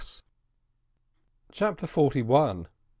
CHAPTER FORTY ONE.